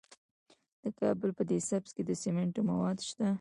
د کابل په ده سبز کې د سمنټو مواد شته.